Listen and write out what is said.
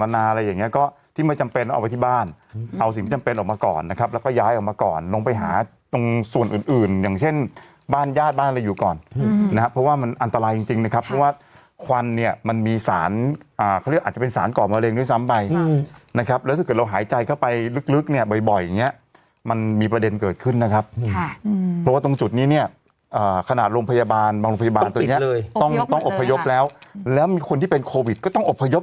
อันตรายอันตรายอันตรายอันตรายอันตรายอันตรายอันตรายอันตรายอันตรายอันตรายอันตรายอันตรายอันตรายอันตรายอันตรายอันตรายอันตรายอันตรายอันตรายอันตรายอันตรายอันตรายอันตรายอันตรายอันตรายอันตรายอันตรายอันตรายอันตรายอันตรายอันตรายอันตราย